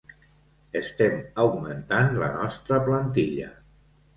Estem augmentant la nostra plantilla.